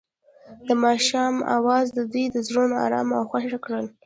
د ماښام اواز د دوی زړونه ارامه او خوښ کړل.